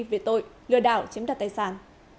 việc tội lừa đảo chiếm đặt tài sản